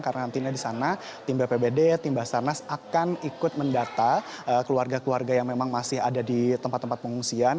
karena nantinya di sana tim bpbd tim basarnas akan ikut mendata keluarga keluarga yang memang masih ada di tempat tempat pengungsian